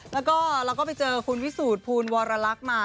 แล้วก็เราก็ไปเจอคุณวิสูจน์ภูลวรรลักษณ์มา